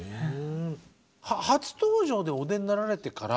初登場でお出になられてから。